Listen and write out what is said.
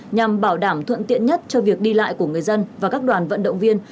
nhằm bảo đảm thuận tiện nhất cho việc đi lại của người dân và các đoàn vận động viên